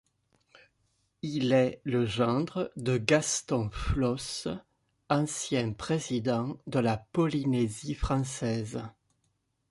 Il est le gendre de Gaston Flosse, ancien président de la Polynésie française.